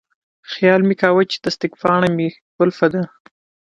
خیال مې کاوه چې تصدیق پاڼه مې کلپه ده.